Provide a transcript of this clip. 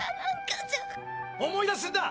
思い出すんだ！